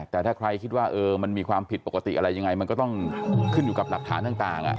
แต่ถ้าใครคิดว่ามันมีความผิดปกติอะไรยังไงมันก็ต้องขึ้นอยู่กับหลักฐานต่าง